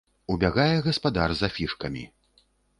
Убягае гаспадар з афішкамі.